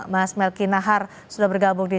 mas melki nahar sudah bergabung di